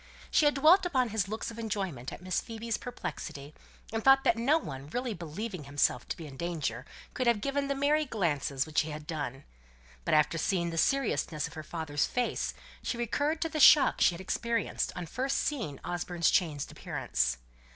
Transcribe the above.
She had dwelt upon his looks of enjoyment at Miss Phoebe's perplexity, and thought that no one really believing himself to be in danger could have given the merry glances which he had done; but after seeing the seriousness of her father's face, she recurred to the shock she had experienced on first seeing Osborne's changed appearance.